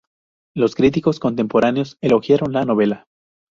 Los críticos contemporáneos elogiaron la novela.